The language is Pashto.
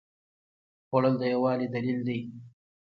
خوړل د یووالي دلیل دی